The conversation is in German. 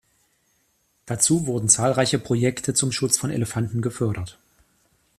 Dazu wurden zahlreiche Projekte zum Schutz von Elefanten gefördert.